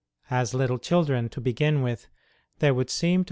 As little children, to begin with, there would seem to have 53 54 ST.